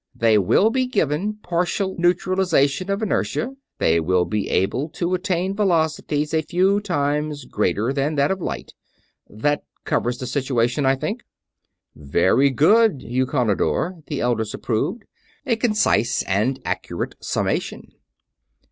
They will be given partial neutralization of inertia; they will be able to attain velocities a few times greater than that of light. That covers the situation, I think?_" "_Very good, Eukonidor," the Elders approved. "A concise and accurate summation.